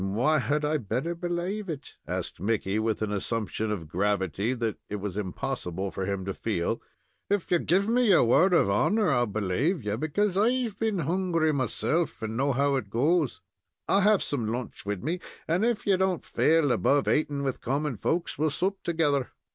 "Why had I better belave it?" asked Mickey, with an assumption of gravity that it was impossible for him to feel. "If ye give me your word of honor, I'll belave you, because I've been hungry myself, and know how it goes. I have some lunch wid me, and if ye don't faal above ating with common folks, we'll sup together."